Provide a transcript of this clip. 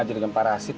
aja dengan parasit